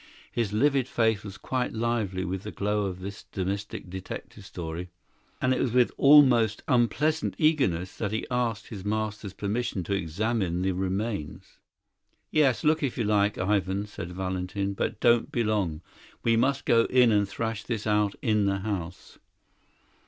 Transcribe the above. His livid face was quite lively with the glow of this domestic detective story, and it was with almost unpleasant eagerness that he asked his master's permission to examine the remains. "Yes; look, if you like, Ivan," said Valentin, "but don't be long. We must go in and thrash this out in the house."